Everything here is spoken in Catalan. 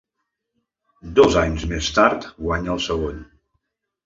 Dos anys més tard, guanya el segon.